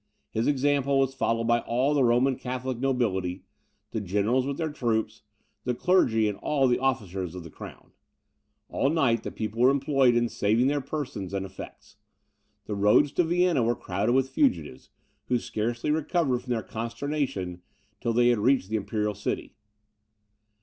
His example was followed by all the Roman Catholic nobility, the generals with their troops, the clergy, and all the officers of the crown. All night the people were employed in saving their persons and effects. The roads to Vienna were crowded with fugitives, who scarcely recovered from their consternation till they reached the imperial city.